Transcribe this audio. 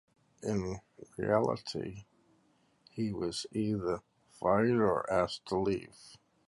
In reality he was either fired or asked to leave.